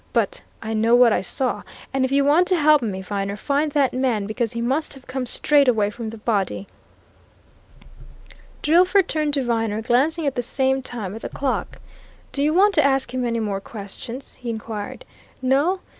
"But I know what I saw. And if you want to help me, Viner, find that man because he must have come straight away from the body!" Drillford turned to Viner, glancing at the same time at the clock. "Do you want to ask him any more questions?" he inquired. "No?